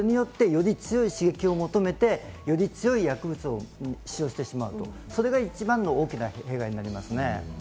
それによってより強い刺激を求めて、より強い薬物を使用してしまうと、それが一番の大きな弊害になりますね。